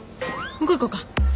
向こう行こうか！